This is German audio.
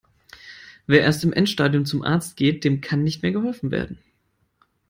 Wer erst im Endstadium zum Arzt geht, dem kann nicht mehr geholfen werden.